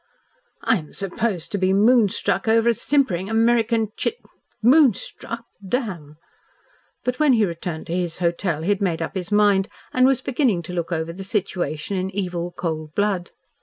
"I am supposed to be moonstruck over a simpering American chit moonstruck! Damn!" But when he returned to his hotel he had made up his mind and was beginning to look over the situation in evil cold blood.